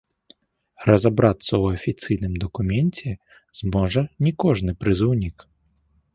Разабрацца ў афіцыйным дакуменце зможа не кожны прызыўнік.